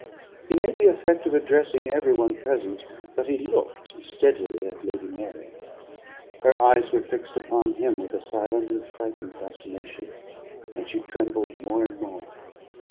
He made the effect of addressing every one present, but he looked steadily at Lady Mary. Her eyes were fixed upon him, with a silent and frightened fascination, and she trembled more and more.